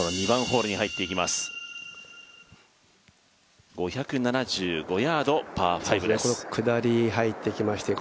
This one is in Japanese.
２番ホールに入っていきます。